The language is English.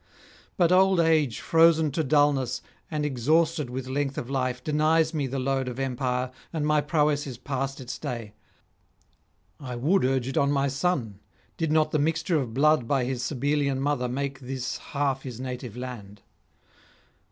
But old age, frozen to dulness, and exhausted with length of life, denies me the load of empire, and my prowess is past its day. I would urge it on my son, did not the mixture of blood by his Sabellian mother make this half his native land.